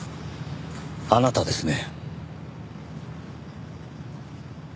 あなたですね？